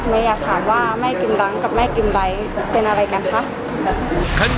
อยากถามว่าแม่กินล้างกับแม่กินไบท์เป็นอะไรกันคะ